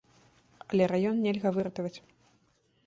Але раён нельга выратаваць.